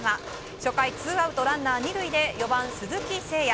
初回、ツーアウトランナー２塁で４番、鈴木誠也。